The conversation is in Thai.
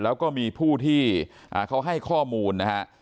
แล้วก็มีผู้ที่เขาให้ข้อมูลนะฮะ